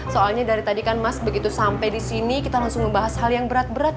soalnya dari tadi kan mas begitu sampai di sini kita langsung membahas hal yang berat berat